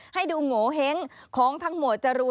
ให้ดูโงเห้งของทั้งหมวดจรูน